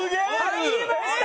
入りました！